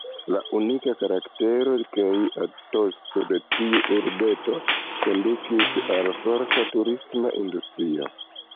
La unika karaktero kaj etoso de tiu urbeto kondukis al forta turisma industrio.